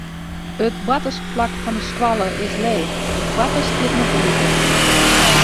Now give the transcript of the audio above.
It boartersplak fan de skoalle is leech, de poarte stiet noch iepen.